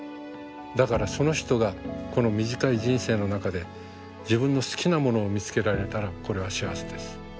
だからその人がこの短い人生の中で自分の好きなものを見つけられたらこれは幸せです。